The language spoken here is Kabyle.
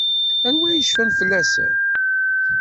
Anwa i yecfan fell-asen?